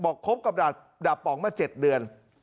คบกับดาบป๋องมา๗เดือน